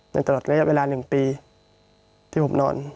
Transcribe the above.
ตลอดระยะเวลา๑ปีที่ผมนอน